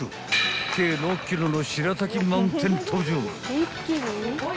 ［計６ｋｇのしらたきマウンテン登場］